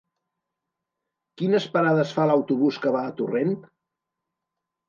Quines parades fa l'autobús que va a Torrent?